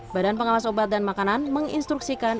badan pengawas obat dan makanan menginstruksikan